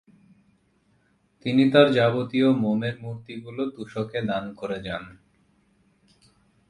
তিনি তার যাবতীয় মোমের মূর্তিগুলো তুসোকে দান করে যান।